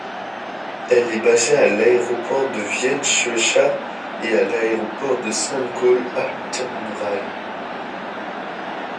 Elle est basée à l'aéroport de Vienne-Schwechat et à l'aéroport de Saint-Gall-Altenrhein.